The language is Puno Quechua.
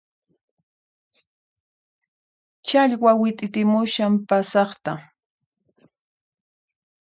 Challwa wit'itimushan pasaqta